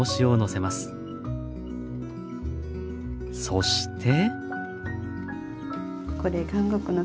そして。